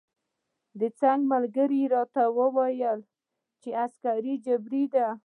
د څنګ ملګري راته وویل چې عسکري جبری ده.